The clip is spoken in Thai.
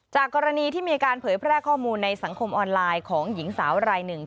กรณีที่มีการเผยแพร่ข้อมูลในสังคมออนไลน์ของหญิงสาวรายหนึ่ง